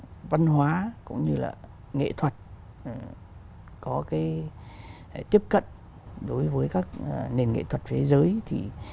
đưa được văn hóa cũng như nghệ thuật có tiếp cận đối với các nền nghệ thuật thế giới